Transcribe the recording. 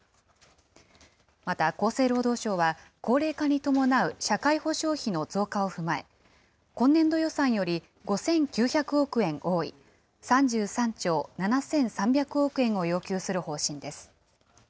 また厚生労働省は、高齢化に伴う社会保障費の増加を踏まえ、今年度予算より５９００億円多い３３兆７３００億円を要求する方針です。